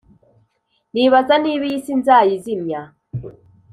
nibaza niba iyi si nzayizimya